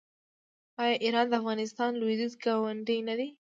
آیا ایران د افغانستان لویدیځ ګاونډی نه دی؟